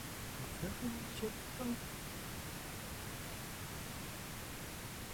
tôi sẽ có cách thuyết phục họ tin tưởng